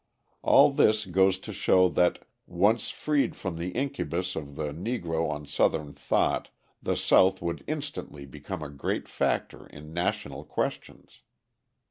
All this goes to show that, once freed from the incubus of the Negro on Southern thought, the South would instantly become a great factor in national questions.